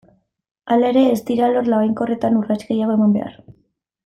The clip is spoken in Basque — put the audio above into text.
Hala ere, ez dira alor labainkorretan urrats gehiago eman behar.